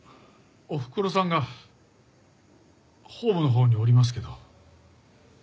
おふくろさんがホームのほうにおりますけど。